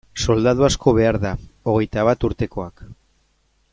Soldadu asko behar da, hogeita bat urtekoak.